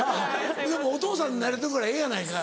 でもお父さんで慣れてるからええやないかい。